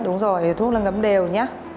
đúng rồi thuốc là ngấm đều nhá